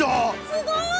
すごい！